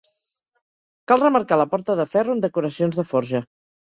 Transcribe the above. Cal remarcar la porta de ferro amb decoracions de forja.